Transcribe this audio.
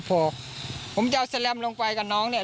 ผมพี่เจ้าสแสลมลงไปกับน้องเนี่ย